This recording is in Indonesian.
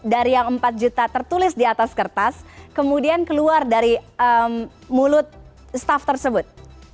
dari yang empat juta tertulis di atas kertas kemudian keluar dari mulut staff tersebut